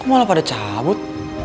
kok malah pada cabut